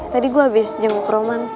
tadi gue habis jenguk roman